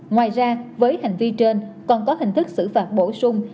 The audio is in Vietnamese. ngoài ra với hành vi trên còn có hình thức xử phạt bổ sung